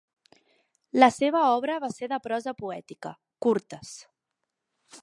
La seva obra va ser de prosa poètica, curtes.